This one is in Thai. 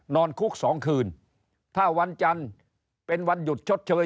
นอนคุก๒คืนถ้าวันจันทร์เป็นวันหยุดชดเชย